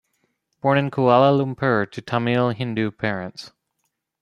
Born in Kuala Lumpur to Tamil Hindu parents.